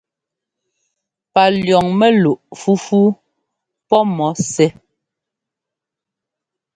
Palʉ̈ɔŋ mɛluꞋ fúfú pɔ́ mɔ sɛ́.